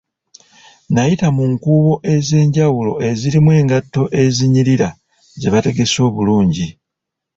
Nayita mu nkuubo ezenjawulo ezirimu engatto ezinyirira zebategese obulungi.